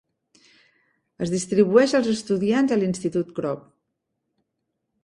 Es distribueix els estudiants a l'Institut Krop.